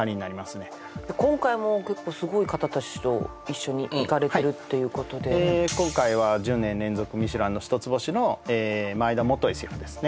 今回も結構すごい方たちと一緒に行かれてるっていうことで今回は１０年連続ミシュランの１つ星の前田元シェフですね